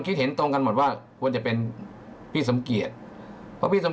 คิดเห็นตรงกันหมดว่าควรจะเป็นพี่สมเกียจเพราะพี่สม